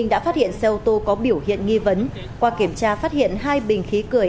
đã phát hiện xe ô tô có biểu hiện nghi vấn qua kiểm tra phát hiện hai bình khí cười n hai o